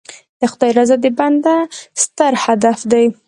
د خدای رضا د بنده ستر هدف دی.